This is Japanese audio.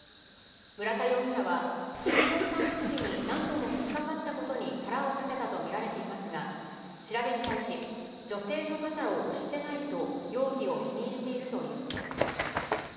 村田容疑者は、金属探知機に何度も引っ掛かったことに腹を立てたと見られていますが、調べに対し、女性の肩を押してないと、容疑を否認しているということです。